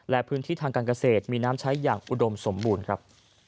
และพื้นที่ทางการเกษตรมีน้ำใช้อย่างอุดมสมบูรณ์ครับ